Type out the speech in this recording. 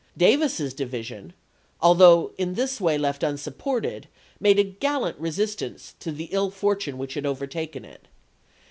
Davis's divi sion, although in this way left unsupported, made a gallant resistance to the ill fortune which had overtaken it.